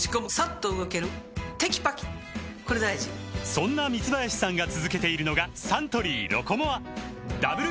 そんな三林さんが続けているのがサントリー「ロコモア」ダブル